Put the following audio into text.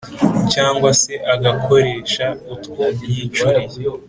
cyangwa se agakoresha utwo yicuriye.